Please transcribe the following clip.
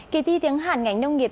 kỳ thi tiếng hàn ngành nông nghiệp